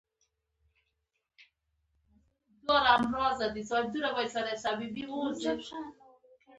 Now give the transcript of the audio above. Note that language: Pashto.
جانداد د زړورو خلکو په لړ کې راځي.